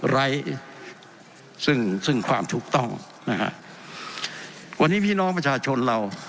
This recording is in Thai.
ไร้ซึ่งซึ่งความถูกต้องนะฮะวันนี้พี่น้องประชาชนเรา